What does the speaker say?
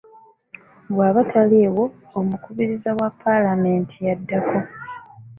Bw'aba taliiwo, omukubiriza wa Paalamenti yaddako